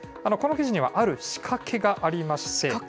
この記事には、ある仕掛けがありまして。